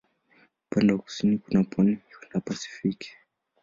Upande wa kusini kuna pwani na Pasifiki.